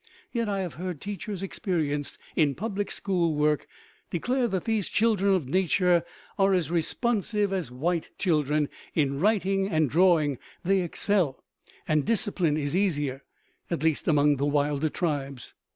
Yet I have heard teachers experienced in public school work declare that these children of nature are as responsive as white children; in writing and drawing they excel; and discipline is easier, at least among the wilder tribes.